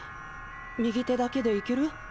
右手だけでいける？